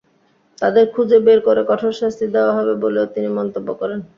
তাদের খুঁজে বের করে কঠোর শাস্তি দেওয়া হবে বলেও তিনি মন্তব্য করেন।